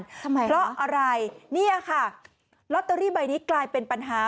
ทำไมเพราะอะไรเนี่ยค่ะลอตเตอรี่ใบนี้กลายเป็นปัญหา